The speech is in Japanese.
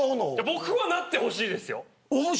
僕はなってほしいですよ。